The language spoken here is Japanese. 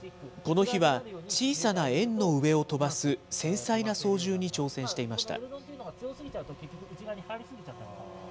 この日は小さな円の上を飛ばす繊細な操縦に挑戦していました。